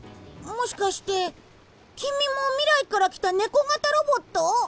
もしかして君も未来から来たネコ型ロボット？